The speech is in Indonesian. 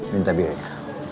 minta biar dia